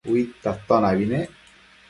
Uidta atonabi nec